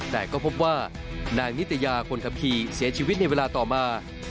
แต่ก็พบว่านางนิตยาคนขับขี่เสียชีวิตในเวลาต่อมา